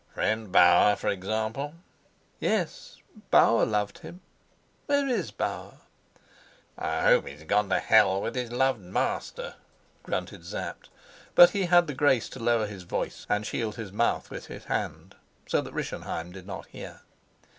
"Friend Bauer, for example?" "Yes, Bauer loved him. Where is Bauer?" "I hope he's gone to hell with his loved master," grunted Sapt, but he had the grace to lower his voice and shield his mouth with his hand, so that Rischenheim did not hear.